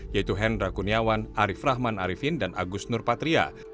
yaitu hendra kuniawan arief rahman arifin dan agus nurpatria